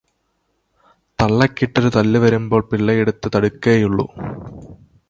തള്ളക്കിട്ടൊരു തല്ലു വരുമ്പോൾ പിള്ളയെടുത്തു തടുക്കേയുള്ളൂ.